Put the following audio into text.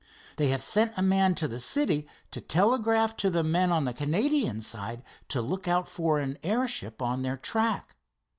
They have sent a man to the city to telegraph to the men on the Canadian side to look out for an airship on their track."